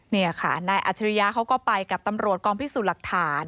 นี่อ่ะค่ะนายอัธิรยาเขาก็ไปกับตำรวจพิสูจน์หลักฐาน